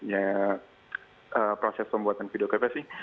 ya proses pembuatan video klipnya sih